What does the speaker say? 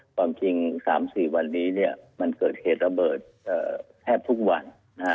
ความจริง๓๔วันนี้มันเกิดเหตุระเบิดแทบทุกวัน